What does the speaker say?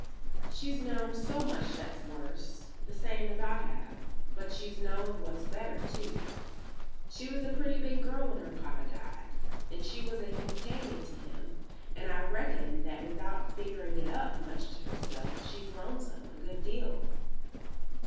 She's known so much that's worse, the same as I have. But she's known what's better, too; she was a pretty big girl when her Poppa died and she was a companion to him and I reckon that without figuring it up much to herself she's lonesome a good deal."